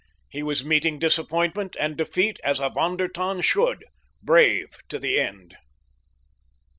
He was meeting disappointment and defeat as a Von der Tann should—brave to the end.